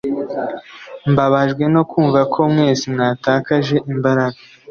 Mbabajwe no kumva ko mwese mwatakaje imbaraga